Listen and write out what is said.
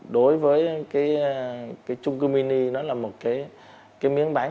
đối với cái trung cư mini nó là một cái miếng bánh